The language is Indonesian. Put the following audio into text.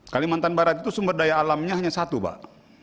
kalimantan barat itu sumber daya alamnya hanya satu pak